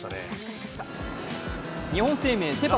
日本生命セ・パ